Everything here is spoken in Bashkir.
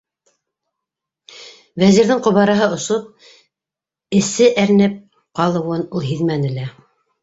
Вәзирҙең ҡобараһы осоп, эсе әрнеп ҡалыуын ул һиҙмәне лә.